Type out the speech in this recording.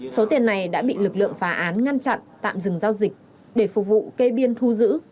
số tiền này đã bị lực lượng phá án ngăn chặn tạm dừng giao dịch để phục vụ cây biên thu giữ